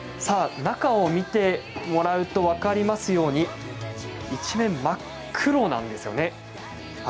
さあ、中を見てもらうと分かりますように一面、真っ黒なんですよね。